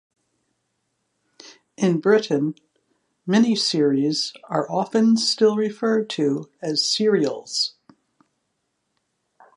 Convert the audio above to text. In Britain, miniseries are often still referred to as serials.